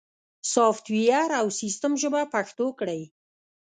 سافت ویر او سیستم ژبه پښتو کړئ